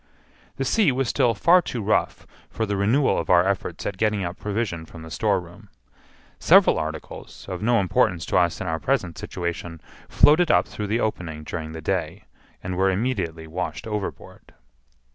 The sea was still far too rough for the renewal of our efforts at getting up provision from the storeroom. Several articles, of no importance to us in our present situation, floated up through the opening during the day, and were immediately washed overboard.